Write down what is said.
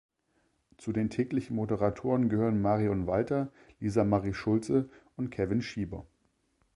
Zu den täglichen Moderatoren gehören Marion Walter, Lisa-Marie-Schulze und Kevin Schieber.